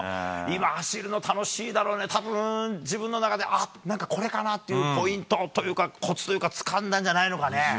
今、走るの楽しいだろうね、たぶん自分の中で、あっ、なんかこれかなというポイントというか、こつというか、つかんだんじゃないのかね。